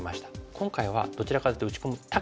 今回はどちらかというと打ち込む高さ。